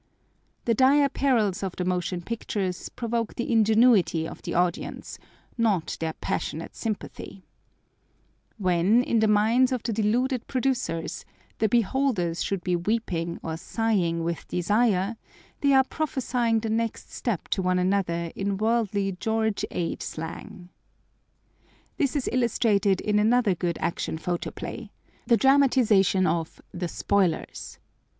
The dire perils of the motion pictures provoke the ingenuity of the audience, not their passionate sympathy. When, in the minds of the deluded producers, the beholders should be weeping or sighing with desire, they are prophesying the next step to one another in worldly George Ade slang. This is illustrated in another good Action Photoplay: the dramatization of The Spoilers.